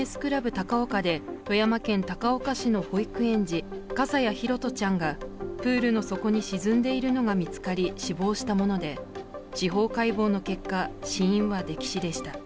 高岡で富山県高岡市の保育園児、笠谷拓杜ちゃんがプールの底に沈んでいるのが見つかり、死亡したもので、司法解剖の結果、死因は溺死でした。